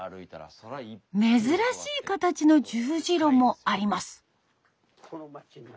珍しい形の十字路もあります。